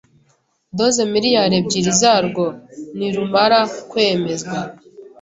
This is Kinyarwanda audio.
doze miliyari ebyiri zarwo nirumara kwemezwa.